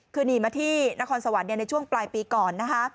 คือหนีมาที่นครสวรรค์ในช่วงปลายปีก่อนนะคะ